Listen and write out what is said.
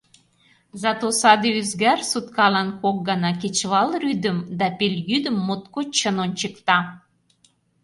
Зато саде ӱзгар суткалан кок гана — кечывал рӱдым да пелйӱдым моткоч чын ончыкта.